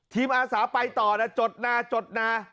ทีมอาสาไปต่อนะจดนา